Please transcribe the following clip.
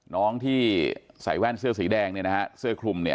น้องที่ใส่แว่นเสื้อสีแดงเนี่ยนะฮะเสื้อคลุมเนี่ย